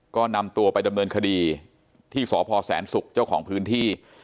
ก็นำตัวไปดำเนินคดีที่สพแสนศุกร์เจ้าของพื้นที่